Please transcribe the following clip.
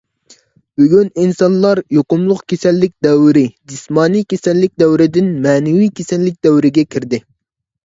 بۈگۈن ئىنسانلار يۇقۇملۇق كېسەللىك دەۋرى، جىسمانىي كېسەللىك دەۋرىدىن مەنىۋى كېسەللىك دەۋرىگە كىردى.